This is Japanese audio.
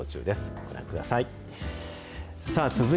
ご覧ください。